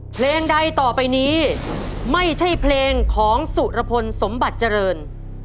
เพลงใดต่อไปนี้ไม่ใช่เพลงของสุรพลสมบัติเจริญ